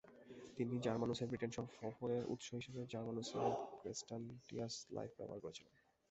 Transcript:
তিনি জার্মানুসের ব্রিটেন সফরের উৎস হিসেবে জার্মানুসের ক্রেস্টান্টিয়াস্স লাইফ ব্যবহার করেছিলেন।